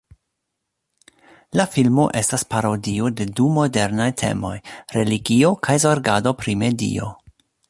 La filmo estas parodio de du modernaj temoj: religio kaj zorgado pri medio.